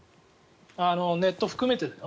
ネット含めてだよ。